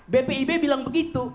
bpib bilang begitu